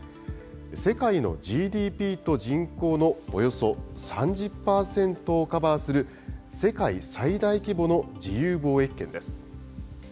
世界のＧＤＰと人口のおよそ３０％をカバーする世界最大規模の自由貿易圏です。